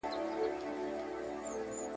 لوند ګرېوان مي دی راوړی زمانې چي هېر مي نه کې !.